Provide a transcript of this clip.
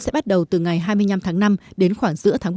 sẽ bắt đầu từ ngày hai mươi năm tháng năm đến khoảng giữa tháng bảy